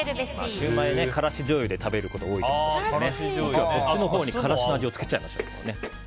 シューマイは辛子じょうゆで食べることが多いと思いますけど今日はこっちに辛子の味をつけちゃいましょう。